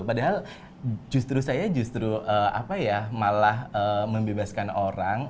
padahal justru saya justru malah membebaskan orang